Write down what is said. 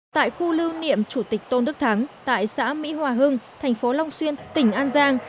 tại khu lưu niệm chủ tịch tôn đức thắng tại xã mỹ hòa hưng thành phố long xuyên tỉnh an giang